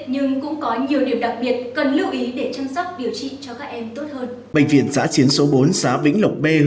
nhưng cũng có nhiều điều đặc biệt cần lưu ý để chăm sóc điều trị cho các em tốt hơn